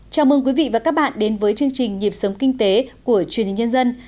chào mừng quý vị và các bạn đến với chương trình nhịp sống kinh tế của truyền hình nhân dân